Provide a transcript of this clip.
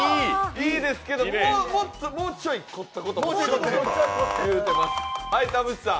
いいですけど、もうちょっと凝ったことを言うてます。